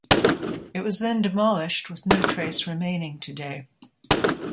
It was then demolished, with no trace remaining today.